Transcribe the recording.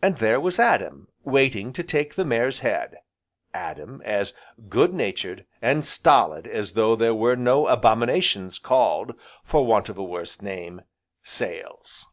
And there was Adam, waiting to take the mare's head, Adam, as good natured, and stolid as though there were no abominations called, for want of a worse name, sales.